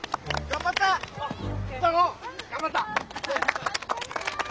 頑張った！